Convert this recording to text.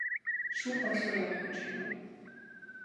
Шүүх хуралруу явах гэж байна уу?